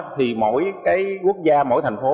thì mỗi quốc gia mỗi thành phố